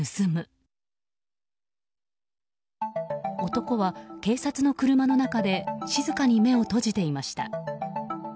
男は、警察の車の中で静かに目を閉じていました。